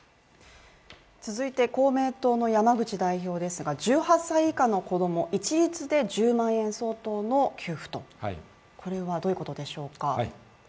公明党の山口代表ですが１８歳以下の子供一律で１０万円相当の給付というのはどういうことでしょうか。